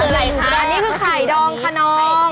อะไรคะนี่คือไข่ดองคนนอง